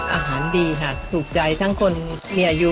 อาหารดีค่ะถูกใจทั้งคนมีอายุ